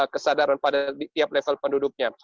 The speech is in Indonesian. kesadaran pada tiap level penduduknya